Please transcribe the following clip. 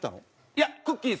いやくっきー！